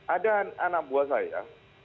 ada anak buah saya